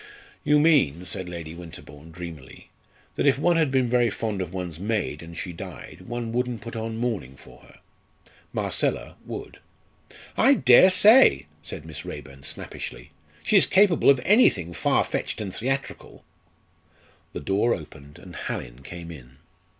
"You mean," said Lady Winterbourne, dreamily, "that if one had been very fond of one's maid, and she died, one wouldn't put on mourning for her. Marcella would." "I dare say," said Miss Raeburn, snappishly. "She is capable of anything far fetched and theatrical." The door opened and Hallin came in.